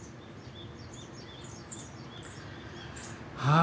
あ。